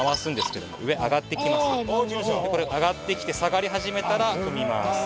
これ上がってきて下がり始めたら踏みます。